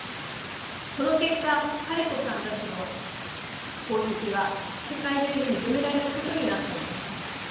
その結果カリコさんたちの功績は世界中に認められることになったのです。